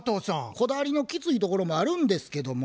こだわりのきついところもあるんですけども。